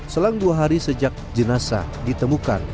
selang dua hari sejak jenasa ditemukan